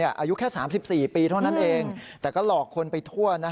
อายุแค่๓๔ปีเท่านั้นเองแต่ก็หลอกคนไปทั่ว